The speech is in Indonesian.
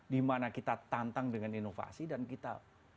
di mana kita tantang dengan inovasi dan kita